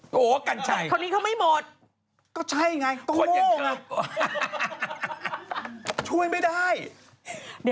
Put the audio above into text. ตอนให้อื่นคุณแม่คะอาจจะไปไหนล่ะ